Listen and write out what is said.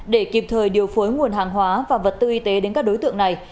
để kịp thời điều phối nguồn hàng hóa và vật tư y tế đến các đối tượng này